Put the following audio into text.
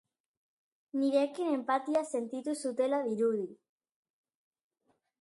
Nirekin enpatia sentitu zutela dirudi.